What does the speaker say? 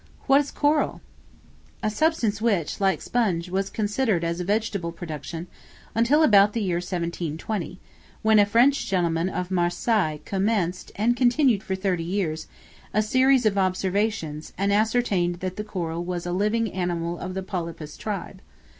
What is Coral? A substance which, like sponge, was considered as a vegetable production, until about the year 1720, when a French gentleman of Marseilles commenced (and continued for thirty years,) a series of observations, and ascertained that the coral was a living animal of the Polypus tribe.